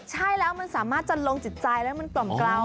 ใช่แล้วมันสามารถจะลงจิตใจแล้วมันกล่อมเกลา